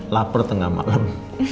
laper tengah malam